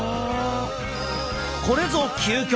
これぞ究極！